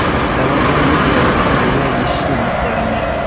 ndabaga yibwiraga ko mariya yishimye cyane